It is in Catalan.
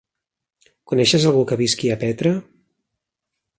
Coneixes algú que visqui a Petra?